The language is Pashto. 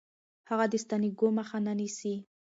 هغه د سانتیاګو مخه نه نیسي.